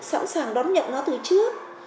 sẵn sàng đón nhận nó từ trước